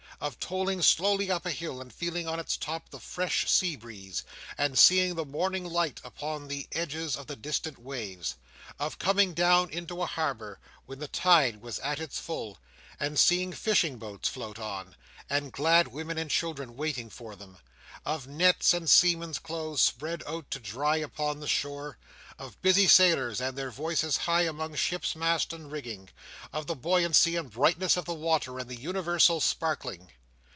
Of tolling slowly up a hill, and feeling on its top the fresh sea breeze; and seeing the morning light upon the edges of the distant waves. Of coming down into a harbour when the tide was at its full, and seeing fishing boats float on, and glad women and children waiting for them. Of nets and seamen's clothes spread out to dry upon the shore; of busy sailors, and their voices high among ships' masts and rigging; of the buoyancy and brightness of the water, and the universal sparkling.